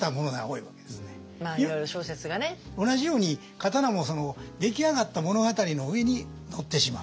同じように刀も出来上がった物語の上に乗ってしまう。